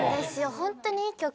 ホントにいい曲で。